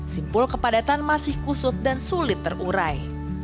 simpul kepadatan masih kusut dan sulit terurai